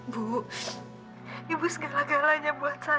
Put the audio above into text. bu ibu segala galanya buat saya